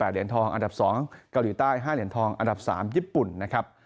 เหรียญทองอันดับ๒เกาหลีใต้๕เหรียญทองอันดับ๓ญี่ปุ่นนะครับ